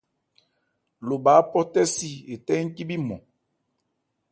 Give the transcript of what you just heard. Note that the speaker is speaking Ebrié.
Lo bha áphɔtɛ́si etɛ́ ncíbhí nmɔn.